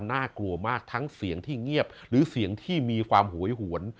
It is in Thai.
น่ากลัวมากทั้งเสียงที่เงียบหรือเสียงที่มีความหวยหวน